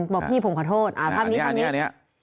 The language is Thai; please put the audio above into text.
บอกพี่ผมขอโทษอันนี้